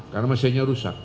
karena mesinnya rusak